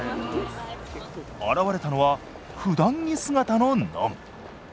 現れたのはふだん着姿ののん。